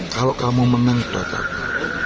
kalau kamu menang tidak ada apa